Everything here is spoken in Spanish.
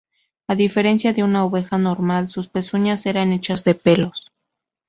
A diferencia de una oveja normal, sus pezuñas eran hechas de pelos.